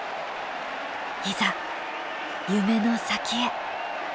いざ夢の先へ。